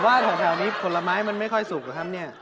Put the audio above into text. ว่าแถวนี้ผลไม้มันไม่ค่อยสุกนะครับเนี่ย